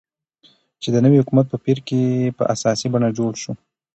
چې د نوي حكومت په پير كې په اساسي بڼه جوړ شو،